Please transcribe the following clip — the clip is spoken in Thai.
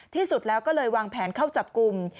ที่สุดแล้วก็เลยวางแผนเข้าจับกลุ่ม